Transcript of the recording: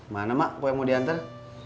mana ma kue mau di anter